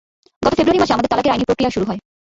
গত ফেব্রুয়ারি মাসে আমাদের তালাকের আইনি প্রক্রিয়া শুরু হয়।